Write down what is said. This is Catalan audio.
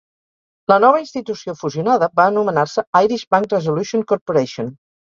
La nova institució fusionada va anomenar-se Irish Bank Resolution Corporation.